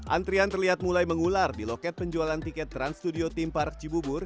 antrian terlihat mulai mengular di loket penjualan tiket trans studio theme park cibubur